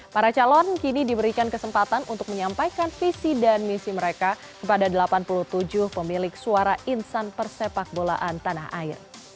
para calon kini diberikan kesempatan untuk menyampaikan visi dan misi mereka kepada delapan puluh tujuh pemilik suara insan persepak bolaan tanah air